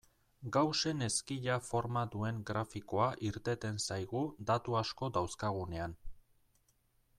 Gaussen ezkila forma duen grafikoa irteten zaigu datu asko dauzkagunean.